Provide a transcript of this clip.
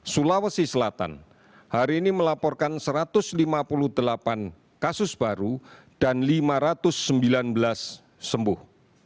sulawesi selatan hari ini melaporkan satu ratus lima puluh delapan kasus baru dan lima ratus sembilan belas sembuh